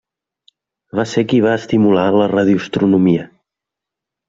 Va ser qui va estimular la radioastronomia.